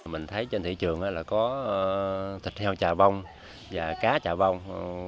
mình thấy trên thị trường có thịt heo chà bông và cá chà bông